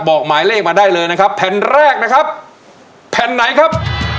บอกหมายเลขมาได้เลยนะครับแผ่นแรกนะครับแผ่นไหนครับ